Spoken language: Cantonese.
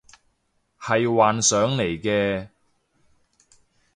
係幻想嚟嘅